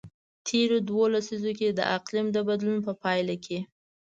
تیرو دوو لسیزو کې د اقلیم د بدلون په پایله کې.